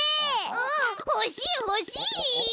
うんほしいほしい！